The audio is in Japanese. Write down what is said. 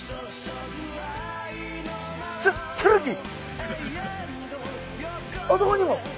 あそこにも！